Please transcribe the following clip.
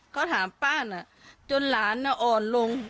เขาถามป้าน่ะจนหลานอ่อนลง